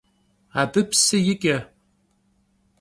Abı psı yiç'e.